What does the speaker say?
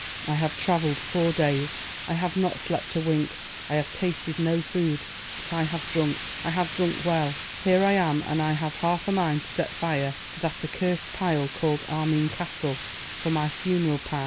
'I have travelled four days, I have not slept a wink, I have tasted no food; but I have drunk, I have drunk well. Here I am, and I have half a mind to set fire to that accursed pile called Armine Castle for my funeral pyre.